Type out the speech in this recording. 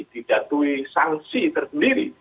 didatui sanksi terdiri